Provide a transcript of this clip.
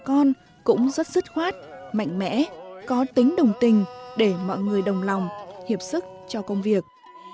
bà con cũng rất dứt khoát mạnh mẽ có tính đồng tình để mọi người đồng lòng hiệp sức cho công việc